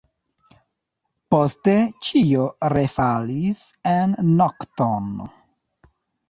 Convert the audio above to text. Poste ĉio refalis en nokton.